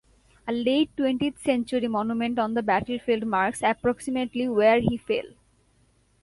A late twentieth century monument on the battlefield marks approximately where he fell.